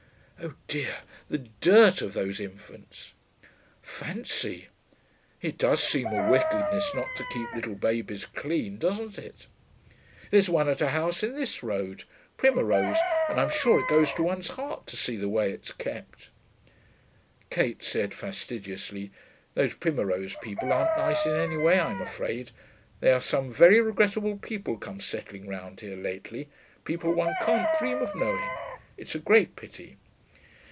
Oh dear, the dirt of those infants....' 'Fancy! It does seem a wickedness not to keep little babies clean, doesn't it? There's one at a house in this road Primmerose and I'm sure it goes to one's heart to see the way it's kept.' Kate said, fastidiously, 'Those Primmerose people aren't nice in any way, I'm afraid. There are some very regrettable people come settling round here lately people one can't dream of knowing. It's a great pity.'